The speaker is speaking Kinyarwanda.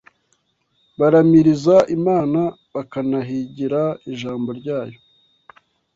baramiriza Imana bakanahigira ijambo ryayo